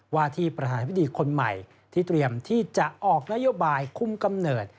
ว่าที่ประธานพิธีคนใหม่ที่เตรียมที่จะออกนโยบายคุมกำเนิด